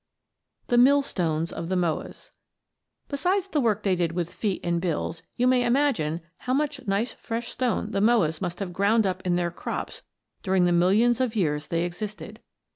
THE MILLSTONES OF THE MOAS Besides the work they did with feet and bills you may imagine how much nice fresh stone the Moas must have ground up in their crops during the millions of years they existed.